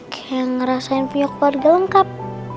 kayak ngerasain pihak keluarga lengkap